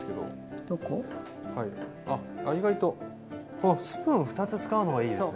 このスプーン２つ使うのがいいですね。